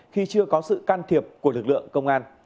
khi chưa có sự can thiệp của lực lượng công an